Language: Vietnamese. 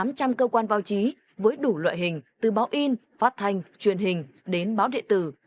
hiện việt nam có hơn tám trăm linh cơ quan báo chí với đủ loại hình từ báo in phát thanh truyền hình đến báo địa tử